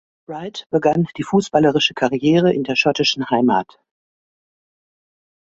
Wright begann die fußballerische Karriere in der schottischen Heimat.